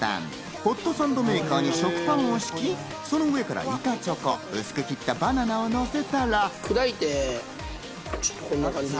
ホットサンドメーカーに食パンをしき、その上から板チョコ、薄く切ったバナナをのせたら。